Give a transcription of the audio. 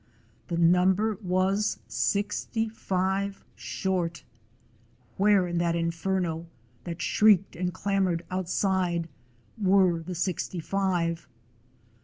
The number was sixty five short. Where in that inferno, that shrieked and clamored outside, were the sixty five?